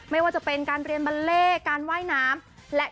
ไม่ว่าจะเป็นการเรียนบัลเล่การว่ายน้ำ